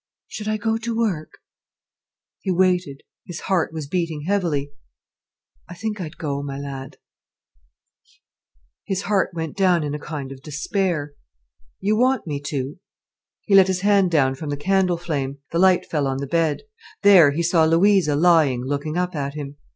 "Should I go to work?" He waited, his heart was beating heavily. "I think I'd go, my lad." His heart went down in a kind of despair. "You want me to?" He let his hand down from the candle flame. The light fell on the bed. There he saw Louisa lying looking up at him.